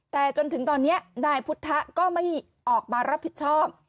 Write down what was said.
แต่จนถึงตอนนี้นายพุทธก็ไม่ออกมารับผิดชอบ